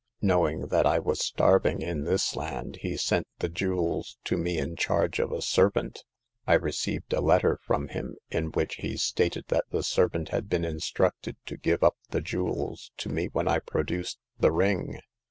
Know ing that I was starving in this land, he sent the jewels to me in charge of a servant. I re ceived a letter from him, in which he stated that the servant had been instructed to give up the jewels to me when I produced the ring.